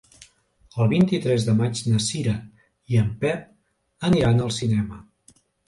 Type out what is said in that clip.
El vint-i-tres de maig na Cira i en Pep aniran al cinema.